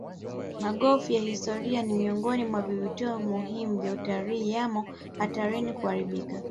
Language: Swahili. Magofu ya kihistoria ni miongoni mwa vivutio muhimu vya utalii yamo hatarini kuharibika